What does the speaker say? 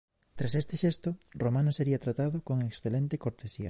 Tras este xesto Romano sería tratado con excelente cortesía.